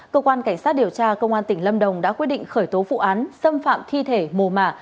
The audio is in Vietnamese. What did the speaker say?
cơ quan cảnh sát điều tra công an tỉnh lâm đồng đã quyết định khởi tố vụ án xâm phạm thi thể mồ mả